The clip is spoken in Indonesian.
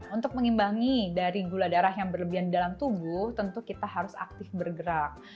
untuk mengimbangkan gula darah yang berlebihan dalam tubuh tentu kita harus aktif bergerak